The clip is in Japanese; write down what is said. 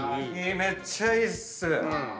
めっちゃいいっす！